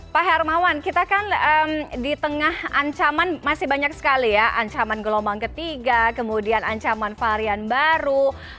pak hermawan kita kan di tengah ancaman masih banyak sekali ya ancaman gelombang ketiga kemudian ancaman varian baru